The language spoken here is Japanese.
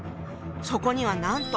そこにはなんと！